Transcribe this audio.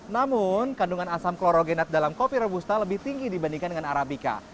namun kandungan asam klorogenat dalam kopi robusta lebih tinggi dibandingkan dengan arabica